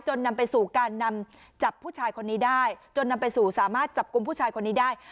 นำไปสู่การนำจับผู้ชายคนนี้ได้จนนำไปสู่สามารถจับกลุ่มผู้ชายคนนี้ได้